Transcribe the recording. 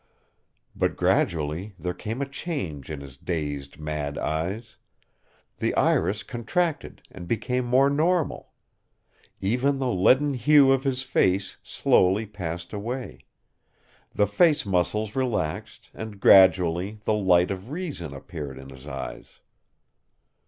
But gradually there came a change in his dazed, mad eyes. The iris contracted and became more normal. Even the leaden hue of his face slowly passed away. The face muscles relaxed and gradually the light of reason appeared in his eyes.